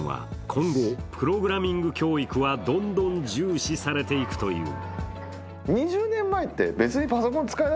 今後、プログラミング教育はどんどん重視されていくという。